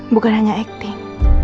bukan hanya acting